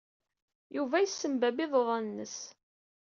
Yuba yessembabb iḍudan-nnes.